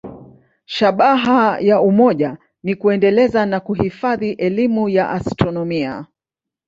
Shabaha ya umoja ni kuendeleza na kuhifadhi elimu ya astronomia.